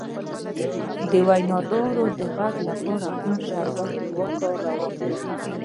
د وینادرو د غږ لپاره کوم شربت وکاروم؟